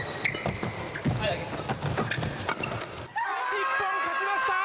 日本、勝ちました！